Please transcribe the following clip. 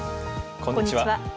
こんにちは。